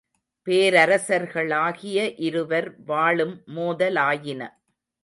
பேரரசர்களாகிய இருவர் வாளும் மோதலாயின.